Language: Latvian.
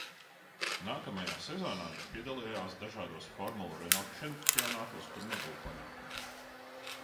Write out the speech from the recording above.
Nākamajā sezonā viņš piedalījās dažādos Formula Renault čempionātos, kur neguva panākumus.